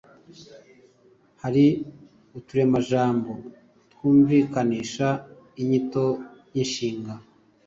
Hari uturemajambo twumvikanisha inyito y’inshinga.